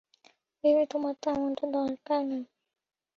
Baby, তোমার তো এমনটাই দরকার।